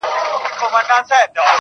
o زه له خپلي ډيري ميني ورته وايم.